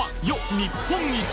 日本一！